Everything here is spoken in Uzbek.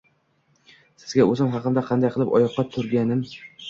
Sizga oʻzim haqimda, qanday qilib oyoqqa turganim